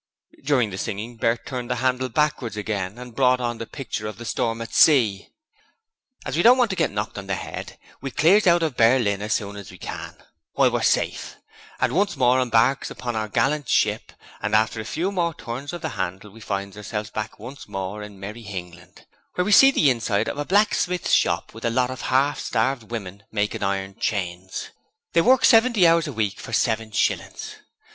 During the singing Bert turned the handles backwards and again brought on the picture of the storm at sea. 'As we don't want to get knocked on the 'ed, we clears out of Berlin as soon as we can whiles we're safe and once more embarks on our gallint ship' and after a few more turns of the 'andle we finds ourselves back once more in Merry Hingland, where we see the inside of a blacksmith's shop with a lot of half starved women making iron chains. They work seventy hours a week for seven shillings.